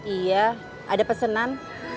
iya ada pesenan